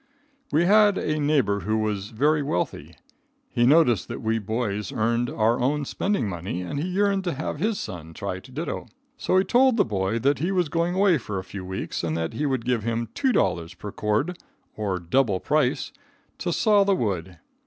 We had a neighbor who was very wealthy. He noticed that we boys earned our own spending money, and he yearned to have his son try to ditto. So he told the boy that he was going away for a few weeks and that he would give him $2 per cord, or double price, to saw the wood.